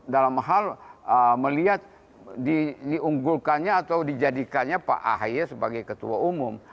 dalam hal melihat diunggulkannya atau dijadikannya pak ahy sebagai ketua umum